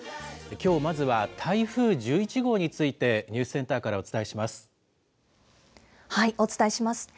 きょう、まずは台風１１号についてニュースセンターからお伝えしお伝えします。